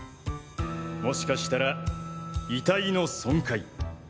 もしかしたら遺体の損壊。